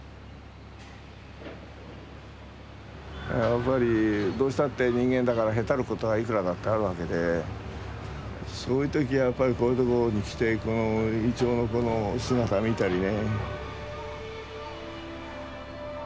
やっぱりどうしたって人間だからへたることはいくらだってあるわけでそういう時はこういうところに来てこのイチョウの姿見たりね。